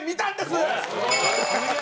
すごい！